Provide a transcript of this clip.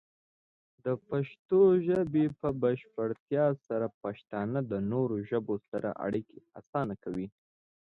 د پښتو ژبې په بشپړتیا سره، پښتانه د نورو ژبو سره اړیکې اسانه کوي.